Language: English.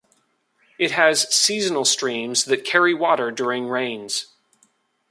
It has seasonal streams that carry water during rains.